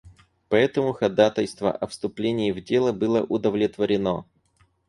Поэтому ходатайство о вступлении в дело было удовлетворено.